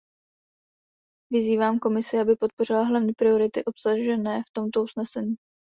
Vyzývám Komisi, aby podpořila hlavní priority obsažené v tomto usnesení.